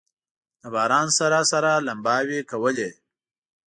د باران سره سره لمباوې کولې.